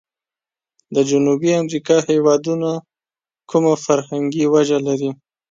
د جنوبي امريکا هیوادونو کومه فرمنګي وجه لري؟